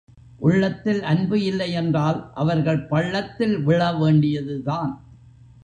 உள்ளத்தில் அன்பு இல்லை என்றால் அவர்கள் பள்ளத்தில் விழ வேண்டியதுதான்.